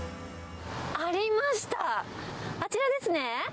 ありました、あちらですね。